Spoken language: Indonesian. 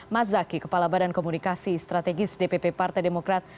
mas zaki kepala badan komunikasi strategis dpp partai demokrat